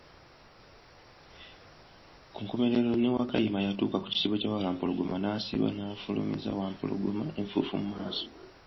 Ku nkomekerero ne Wakayima yatuuka ku kisibo kya bawampologoma nasiba, naaffumuliza Wampologoma enfuufu mu maaso.